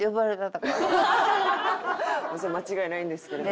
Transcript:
それは間違いないんですけれど。